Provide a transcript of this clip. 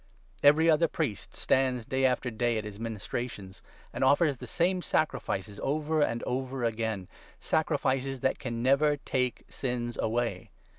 Every other priest stands day 1 1 after day at his ministrations, and offers the same sacrifices over and over again — sacrifices that can never take sins away.